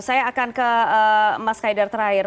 saya akan ke mas kaidar terakhir